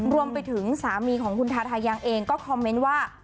รวมไปถึงสามีของคุณทาทายังเองก็คอมเมนต์ว่า